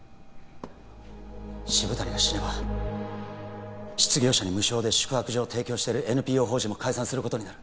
渋谷が死ねば失業者に無償で宿泊所を提供してるＮＰＯ法人も解散することになる